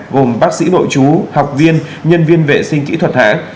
gồm bác sĩ đội chú học viên nhân viên vệ sinh kỹ thuật hãng